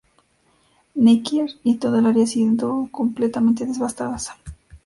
Necker y toda el área han sido completamente devastadas".